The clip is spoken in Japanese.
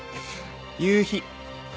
夕日。